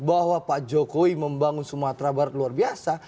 bahwa pak jokowi membangun sumatera barat luar biasa